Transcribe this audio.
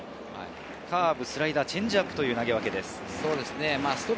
カーブ、スライダー、チェンジアップの投げわけです。